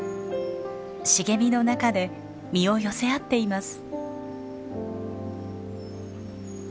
茂みの中で身を寄せ合っています。